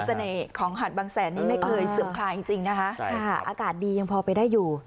สวยเนอะมนตร์เสน่ห์ของหันบางแสนนี่ไม่เคยเสื่อมคลายจริงนะคะอากาศดียังพอไปได้อยู่